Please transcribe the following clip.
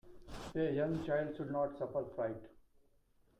A young child should not suffer fright.